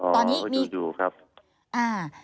อ๋อดูครับ